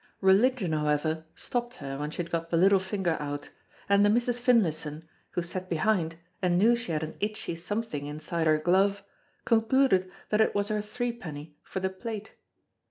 Religion, however, stopped her when she had got the little finger out, and the Misses Finlayson, who sat behind and knew she had an itchy something inside her glove, concluded that it was her threepenny for the plate.